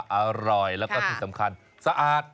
อร่อยแล้วก็ที่สำคัญสะอาด